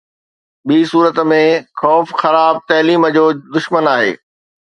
ٻي صورت ۾، خوف خراب تعليم جو دشمن آهي